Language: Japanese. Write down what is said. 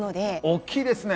大きいですね！